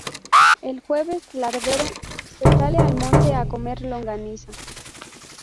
El "Jueves Lardero" se sale al monte a comer longaniza.